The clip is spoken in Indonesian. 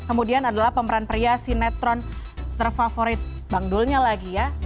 kemudian adalah pemeran pria sinetron terfavorit bang dulnya lagi ya